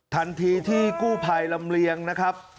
ทันทีที่กู้ภัยลำเลียงนะครับ